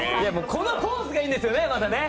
このポーズがいいんですよね、またね。